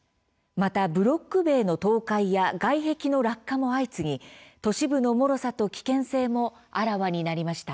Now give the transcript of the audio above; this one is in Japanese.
また、ブロック塀の倒壊や外壁の落下も相次ぎ都市部のもろさと危険性もあらわになりました。